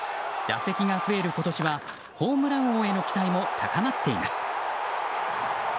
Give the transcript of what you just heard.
打席が増える今年はホームラン王への期待も高まっています。